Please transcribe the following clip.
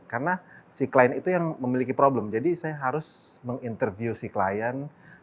karena si klien itu yang memiliki problem jadi saya harus menginterview si klien